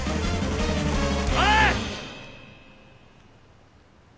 ・おい！